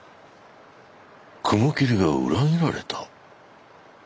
雲霧が裏切られた？